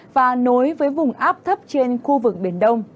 và nối với vùng áp thấp trên khu vực biển đông